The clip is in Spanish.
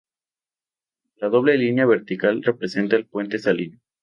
La doble línea vertical representa el puente salino.